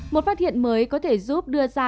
một phát hiện mới có thể giúp đưa ra